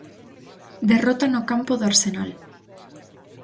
Derrota no campo do Arsenal.